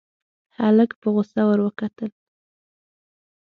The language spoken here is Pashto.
هلک په غوسه ور وکتل.